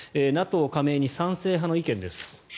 ＮＡＴＯ加盟に賛成派の意見です。